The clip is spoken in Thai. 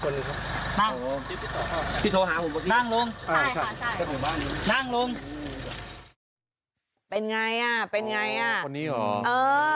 คนนี้หรอ